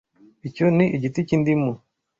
Icyo ni igiti cy'indimu.